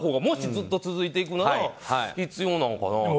もしずっと続いていくなら必要なのかなと。